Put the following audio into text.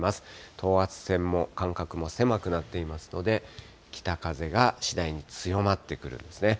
等圧線も間隔も狭くなっていますので、北風が次第に強まってくるんですね。